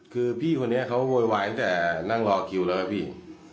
คือพี่คนนี้เขาโวยวายตั้งแต่นั่งรอคิวแล้วครับพี่